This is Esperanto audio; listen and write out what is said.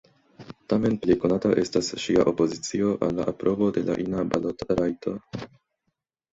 Tamen, plej konata estas ŝia opozicio al la aprobo de la ina balotrajto.